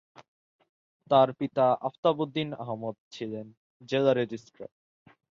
তার পিতা আফতাব উদ্দিন আহমদ ছিলেন জেলা রেজিস্ট্রার।